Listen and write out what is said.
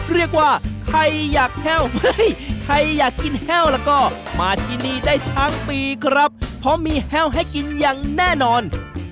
เรียกว่าใครอยากแห้วเฮ้ยใครอยากกินแห้วแล้วก็มาที่นี่ได้ทั้งปีครับเพราะมีแห้วให้กินอย่างแน่นอน